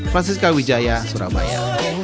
francisca wijaya surabaya